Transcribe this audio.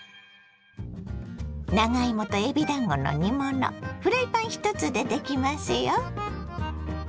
長芋とえびだんごの煮物フライパン１つでできますよ。